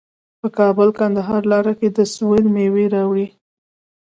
د کابل کندهار لاره د سویل میوې راوړي.